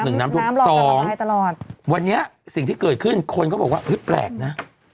หนึ่งน้ำถูกสองวันนี้สิ่งที่เกิดขึ้นคนเขาบอกว่าเฮ้ยแปลกนะ